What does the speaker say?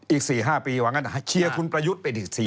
อีก๔๕ปีว่างั้นเชียร์คุณประยุทธ์ไปอีก๔๐